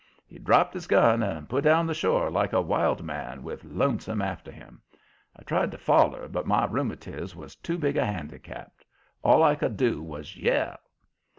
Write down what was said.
He dropped his gun and put down the shore like a wild man, with Lonesome after him. I tried to foller, but my rheumatiz was too big a handicap; all I could do was yell.